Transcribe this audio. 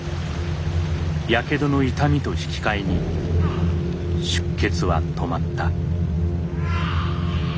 やけどの痛みと引き換えに出血は止まった。